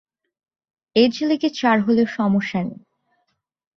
Age লেগে চার হলেও সমস্যা নেই।